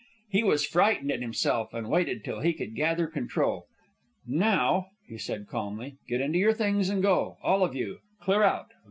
He was frightened at himself, and waited till he could gather control. "Now," he said, calmly, "get into your things and go. All of you. Clear out.